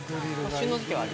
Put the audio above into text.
旬の時期はある。